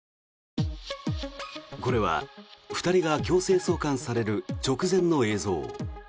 これは２人が強制送還される直前の映像。